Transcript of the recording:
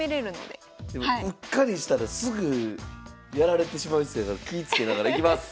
でもうっかりしたらすぐやられてしまいそうやから気いつけながらいきます！